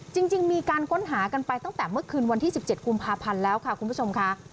จริงมีการค้นหากันไปตั้งแต่เมื่อคืนวันที่๑๗กุมภาพันธ์แล้วค่ะคุณผู้ชมค่ะ